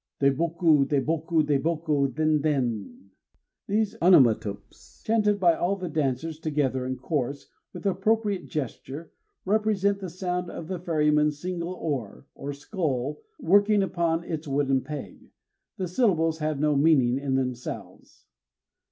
_" DEBOKU, DEBOKU, DEBOKU, DENDEN! These onomatopes, chanted by all the dancers together in chorus, with appropriate gesture, represent the sound of the ferryman's single oar, or scull, working upon its wooden peg. The syllables have no meaning in themselves.